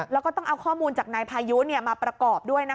แล้วก็ต้องเอาข้อมูลจากนายพายุมาประกอบด้วย